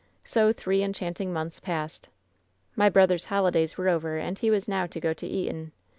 "So three enchanting months passed. "My brother's holidays were over, and he was now to go to Eton.